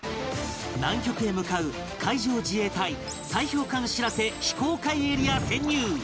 南極へ向かう海上自衛隊砕氷艦「しらせ」非公開エリア潜入